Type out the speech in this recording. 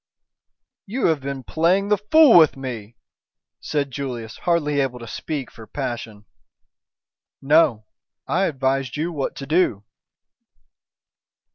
"You have been playing the fool with me," said Julius, hardly able to speak for passion. "No, I advised you what to do!"